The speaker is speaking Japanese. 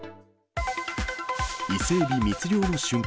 伊勢エビ密漁の瞬間。